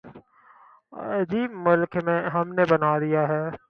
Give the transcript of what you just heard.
عجیب ملک ہم نے بنا دیا ہے۔